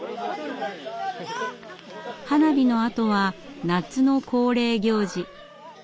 花火のあとは夏の恒例行事。